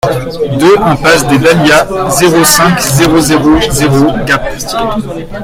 deux impasse des Dahlias, zéro cinq, zéro zéro zéro Gap